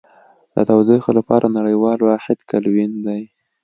د تودوخې لپاره نړیوال واحد کلوین دی.